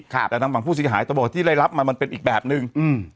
แต่ทางฝั่งผู้เสียหายตำรวจที่ได้รับมามันเป็นอีกแบบนึงอืม